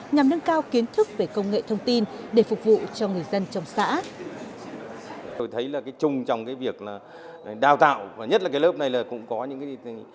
nhằm nâng cao kiến thức về công nghệ thông tin để phục vụ cho người dân trong xã